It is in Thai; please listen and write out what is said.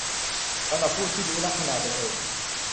สำหรับผู้ที่รู้ลัคนาตนเอง